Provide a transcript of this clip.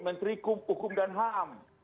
menteri hukum dan ham